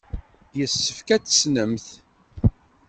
Yessefk ad t-tessnemt.